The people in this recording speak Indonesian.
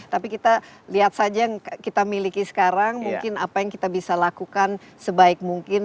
tapi kita lihat saja yang kita miliki sekarang mungkin apa yang kita bisa lakukan sebaik mungkin